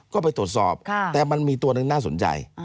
ก็ไปตรวจสอบแต่มันมีตัวหนึ่งน่าสนใจ